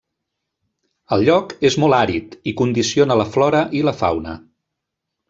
El lloc és molt àrid i condiciona la flora i la fauna.